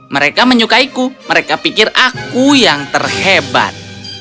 mereka menyukaiku mereka pikir aku yang terhebat